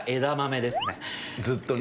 ずっとね。